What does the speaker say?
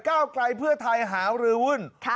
เก้ากลายเพื่อไทยฮาลื้อวุ่น